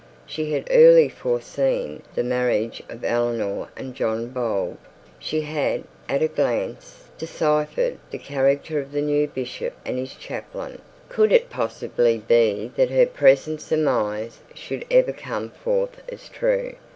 She had early foreseen the marriage of Eleanor and John Bold; she had at a glance deciphered the character of the new bishop and his chaplain; could it possibly be that her present surmise should ever come forth as true?'